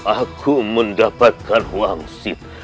aku mendapatkan wangsit